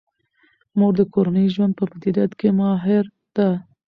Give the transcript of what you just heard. مور د کورني ژوند په مدیریت کې ماهر ده.